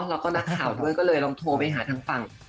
แล้วก็นักข่าวด้วยก็เลยลองโทรไปหาทางฝั่ง